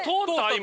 今。